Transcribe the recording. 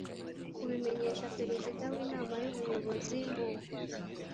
kubimenyesha perezida w inama y ubuyobozi mu